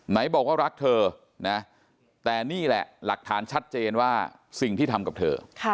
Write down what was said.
ไหนบอกว่ารักเธอนะแต่นี่แหละหลักฐานชัดเจนว่าสิ่งที่ทำกับเธอ